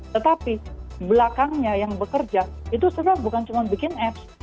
tetapi belakangnya yang bekerja itu sebenarnya bukan cuma bikin apps